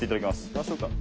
やりましょうか。